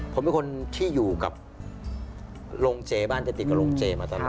ผมเป็นคนที่อยู่กับโรงเจบ้านจะติดกับโรงเจมาตลอด